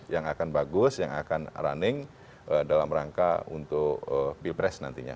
yang akan bagus yang akan running dalam rangka untuk pilpres nantinya